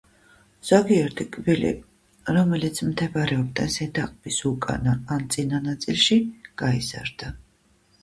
ზოგიერთი კბილი, რომელიც მდებარეობდა ზედა ყბის უკანა, ან წინა ნაწილში გაიზარდა.